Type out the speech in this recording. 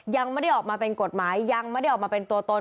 ยังไม่ได้ออกมาเป็นกฎหมายยังไม่ได้ออกมาเป็นตัวตน